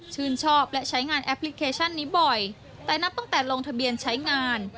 ชอบและใช้งานแอปพลิเคชันนี้บ่อยแต่นับตั้งแต่ลงทะเบียนใช้งาน